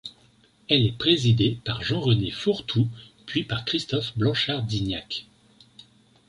Elle est présidée par Jean-René Fourtou puis par Christophe Blanchard-Dignac.